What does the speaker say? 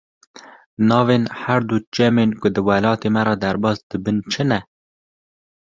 Navên her du çemê ku di welatê me re derbas dibin çi ne?